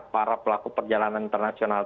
para pelaku perjalanan internasional